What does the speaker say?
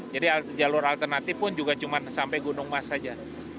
jadi jalur alternatif pun juga cuma sampai gunung mas saja